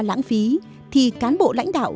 lãng phí thì cán bộ lãnh đạo